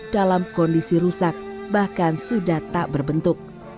dalam kondisi rusak bahkan sudah tak berbentuk